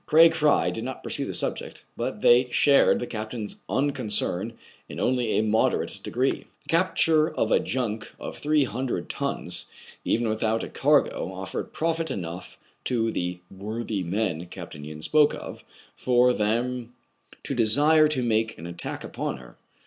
Craig Fry did not pursue the subject, but they shared the captain's unconcern in only a moderate degree. The capture of a junk of three hundred tons, even without a cargo, offered profit enough to the " worthy men " Capt. Yin spoke of for them to desire to make an attack upon her.